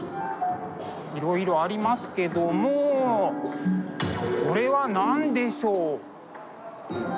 いろいろありますけどもこれは何でしょう？